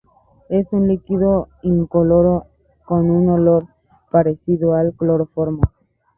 Es un líquido incoloro con un olor parecido al cloroformo.